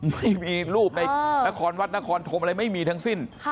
ไม่มีรูปในนครวัดนครธมอะไรไม่มีทั้งสิ้น